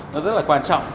nó rất là quan trọng